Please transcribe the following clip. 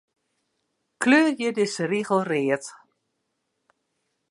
Kleurje dizze rigel read.